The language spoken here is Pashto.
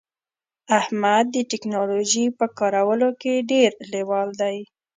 احمد د ټکنالوژی په کارولو کې ډیر لیوال دی